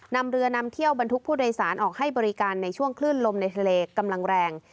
นำเรือนำเที่ยวบรรทุกผู้โดยสารออกให้บริการในช่วงคลื่นลมในทะเลกำลังแรง